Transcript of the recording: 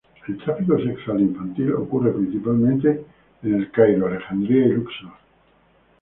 El tráfico sexual infantil ocurre principalmente en El Cairo, Alejandría y Luxor.